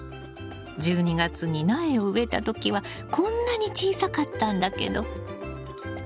１２月に苗を植えた時はこんなに小さかったんだけど。